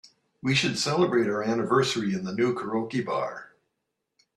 We should celebrate our anniversary in the new karaoke bar.